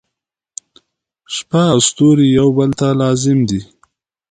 • شپه او ستوري یو بل ته لازم دي.